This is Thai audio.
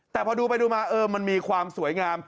แต่พอดูไปดูมาเออมันมีความสวยงาม